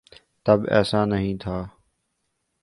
تب ایسا نہیں تھا۔